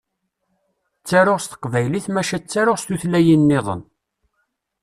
Ttaruɣ s teqbaylit maca ttaruɣ s tutlayin-nniḍen.